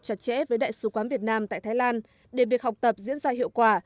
chặt chẽ với đại sứ quán việt nam tại thái lan để việc học tập diễn ra hiệu quả